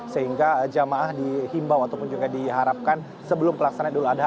sehingga jamaah dihimbau ataupun juga diharapkan sebelum pelaksanaan idul adha